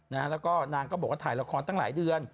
แล้วก็นางก็บอกว่าถ่ายละครตั้งหลายเดือน